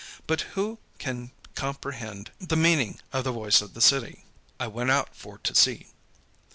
But who can comprehend the meaning of the voice of the city? I went out for to see.